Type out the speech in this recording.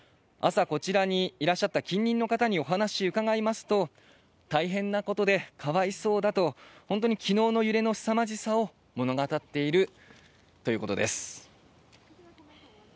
朝、こちらにいらっしゃった近隣の方にお話を伺いますと、大変なことでかわいそうだと、本当に昨日の揺れのすさまじさを物語っているということです。